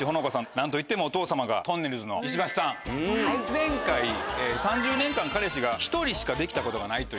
前回３０年間彼氏が１人しかできたことがないと。